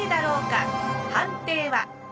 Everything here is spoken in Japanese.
判定は？